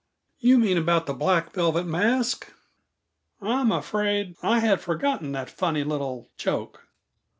You mean about the black velvet mask? I'm afraid I had forgotten that funny little joke."